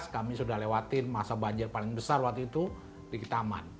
kami sudah lewatin masa banjir paling besar waktu itu di kitaman